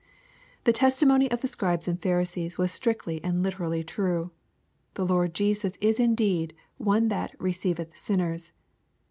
The testimony of the Scribes and Pharisees was strictly and literally true. The Lord Jesus is indeed one that " receiveth sinners."